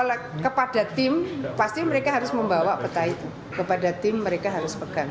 kalau kepada tim pasti mereka harus membawa peta itu kepada tim mereka harus pegang